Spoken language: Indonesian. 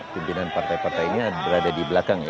pimpinan partai partainya berada di belakang